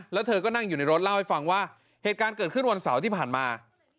แล้วเธอก็นั่งอยู่ในรถเล่าให้ฟังว่าเหตุการณ์เกิดขึ้นวันเสาร์ที่ผ่านมา